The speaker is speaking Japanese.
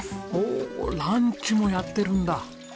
おおランチもやってるんだ。